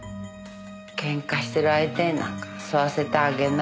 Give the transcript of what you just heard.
喧嘩してる相手になんか吸わせてあげない。